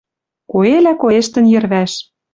Коэлӓ коэштӹн йӹрвӓш.